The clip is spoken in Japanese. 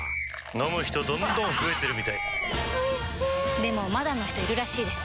飲む人どんどん増えてるみたいおいしでもまだの人いるらしいですよ